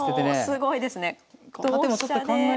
おすごいですね。